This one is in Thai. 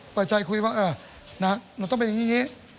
ปล่อยใจคุยว่าเราต้องเป็นอย่างนี้